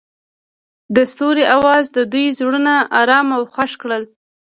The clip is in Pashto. د ستوري اواز د دوی زړونه ارامه او خوښ کړل.